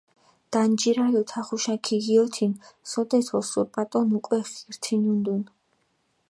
დანჯირალ ოთახუშა ქიგიოთინჷ, სოდეთ ოსურპატონ უკვე ხირთინუნდუნ.